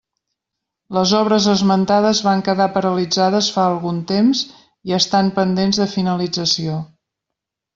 Les obres esmentades van quedar paralitzades fa algun temps i estan pendents de finalització.